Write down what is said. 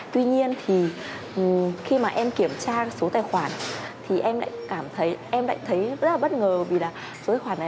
tuy nhiên thì khi mà em kiểm tra số tài khoản thì em lại thấy rất là bất ngờ